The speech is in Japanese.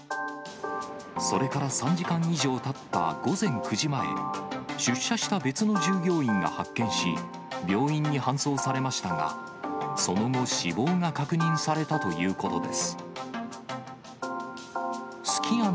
それから３時間以上たった午前９時前、出社した別の従業員が発見し、病院に搬送されましたが、その後、死亡が確認されたということです。